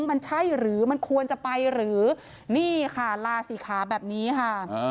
มันใช่หรือมันควรจะไปหรือนี่ค่ะลาศีขาแบบนี้ค่ะ